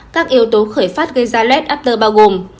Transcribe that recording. các yếu tố khởi phát gây ra lết after bao gồm